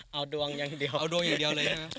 เอาดวงอย่างเดียว